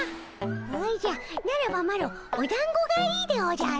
おじゃならばマロおだんごがいいでおじゃる。